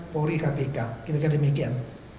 polri kpk kira kira demikian